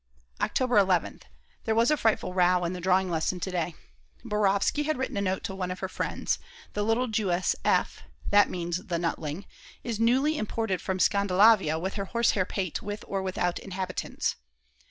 October 11th. There was a frightful row in the drawing lesson to day. Borovsky had written a note to one of her friends: "The little Jewess, F. (that means the Nutling) is newly imported from Scandalavia with her horsehair pate with or without inhabitants."